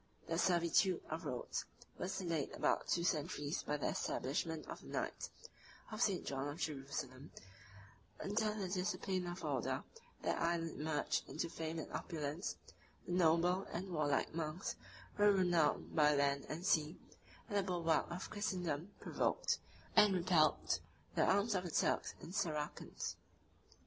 The servitude of Rhodes was delayed about two centuries by the establishment of the knights of St. John of Jerusalem: 46 under the discipline of the order, that island emerged into fame and opulence; the noble and warlike monks were renowned by land and sea: and the bulwark of Christendom provoked, and repelled, the arms of the Turks and Saracens.